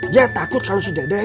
dia takut kalau si dedek